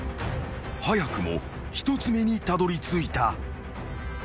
［早くも一つ目にたどりついた］